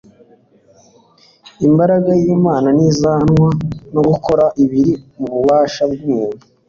Imbaraga y'Imana ntizanwa no gwkora ibiri mu bubasha bw'umuntu.